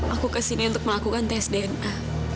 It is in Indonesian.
aku kesini untuk melakukan tes dna